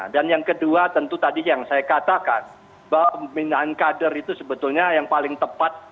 dan yang kedua tentu tadi yang saya katakan bahwa pembinaan kader itu sebetulnya yang paling tepat